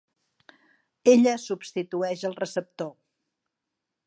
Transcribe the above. Ella substitueix el receptor.